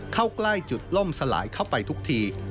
เข้าใกล้จุดล่มสลายเข้าไปทุกที